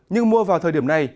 nhưng mua vào thời điểm này